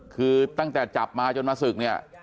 คือตั้งแต่จับมาจนมาศึกเนี่ย